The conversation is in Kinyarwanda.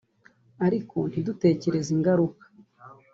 ariko ntidutekereze ingaruka